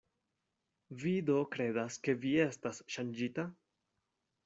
"Vi do kredas ke vi estas ŝanĝita?"